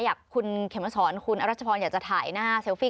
อยากคุณเขมสอนคุณอรัชพรอยากจะถ่ายหน้าเซลฟี่